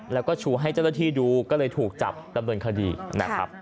แล้วก็ชูให้เจ้าหน้าที่ดูก็เลยถูกจับดำเนินคดีนะครับ